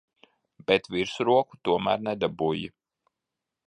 Bet virsroku tomēr nedabūji.